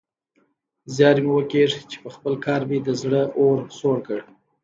زيار مې وکيښ چې پخپل کار مې د زړه اور سوړ کړ.